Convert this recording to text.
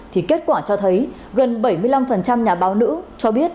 thì kết quả cho thấy gần bảy mươi năm nhà báo nữ cho biết